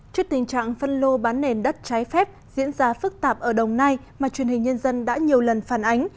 trước tình trạng phân lô bán nền đất trái phép diễn ra phức tạp ở đồng nai mà truyền hình nhân dân đã nhiều lần phản ánh